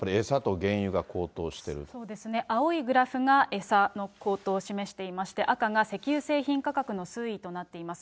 青いグラフが餌の高騰を示していまして、赤が石油製品価格の推移となっています。